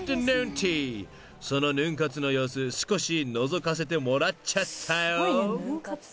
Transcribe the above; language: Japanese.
［そのヌン活の様子少しのぞかせてもらっちゃったよ］